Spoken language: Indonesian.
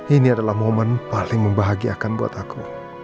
ini adalah momen paling membahagiakan buat aku